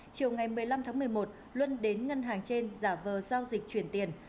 chiều ngày một mươi năm tháng một mươi một luân đến ngân hàng trên giả vờ giao dịch chuyển tiền